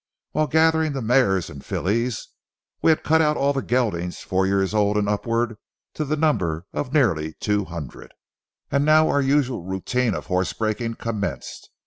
While gathering the mares and fillies, we had cut out all the geldings four years old and upward to the number of nearly two hundred, and now our usual routine of horse breaking commenced.